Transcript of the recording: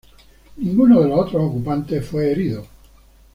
Ninguno de los otros ocupantes fue herido.